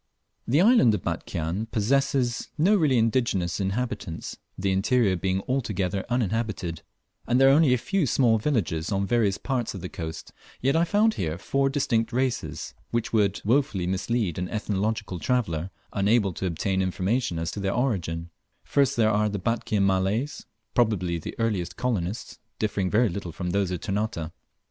The island of Batchian possesses no really indigenous inhabitants, the interior being altogether uninhabited; and there are only a few small villages on various parts of the coast; yet I found here four distinct races, which would wofully mislead an ethnological traveller unable to obtain information as to their origin, first there are the Batchian Malays, probably the earliest colonists, differing very little from those of Ternate.